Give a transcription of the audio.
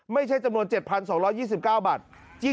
ไม่ใช่จำนวน๗๒๒๙บาท